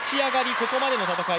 ここまでの戦い